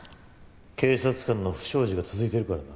警察官の不祥事が続いてるからな。